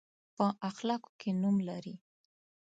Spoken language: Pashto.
په اخلاقو کې نوم لري.